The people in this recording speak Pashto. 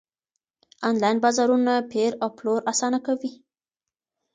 انلاين بازارونه پېر او پلور اسانه کوي.